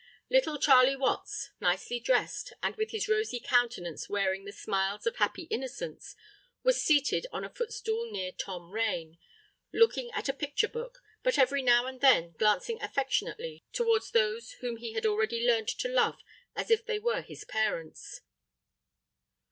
Little Charley Watts, nicely dressed, and with his rosy countenance wearing the smiles of happy innocence, was seated on a footstool near Tom Rain, looking at a picture book, but every now and then glancing affectionately towards those whom he had already learnt to love as if they were his parents.